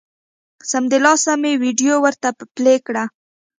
سمدلاسه مې ویډیو ورته پلې کړه